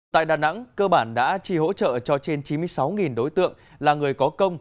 tại đà nẵng cơ bản đã trì hỗ trợ cho trên chín mươi sáu đối tượng là người có công